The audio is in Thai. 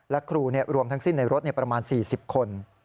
และครูรวมทั้งสิ้นในรถประมาณ๔๐คน